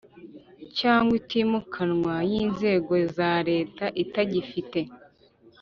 cyangwa itimukanwa y inzego za Leta itagifite